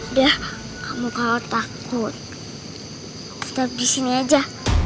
udah kamu kalau takut tetap di sini aja